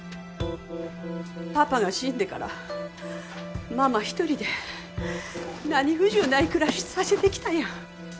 パパが死んでからママ１人で何不自由ない暮らしさせてきたやん。